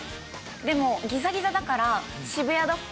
でもギザギザだから。